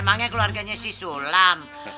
emangnya keluarganya si sulaim